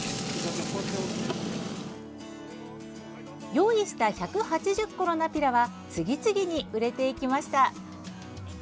用意した１８０個のナピラは次々に売れていきました。